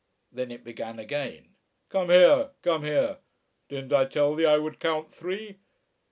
Then it began again. "Come here! Come here! Didn't I tell thee I would count three?